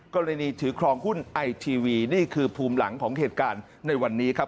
กรณีถือครองหุ้นไอทีวีนี่คือภูมิหลังของเหตุการณ์ในวันนี้ครับ